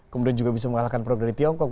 kemudian juga bisa mengalahkan produk dari tiongkok